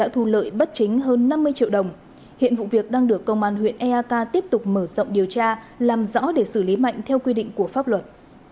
hai mươi sáu tuổi chú tại xã eao huyện eak để điều tra về hành vi cho vay lãi nặng trong giao dịch dân